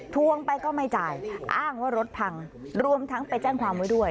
ทวงไปก็ไม่จ่ายอ้างว่ารถพังรวมทั้งไปแจ้งความไว้ด้วย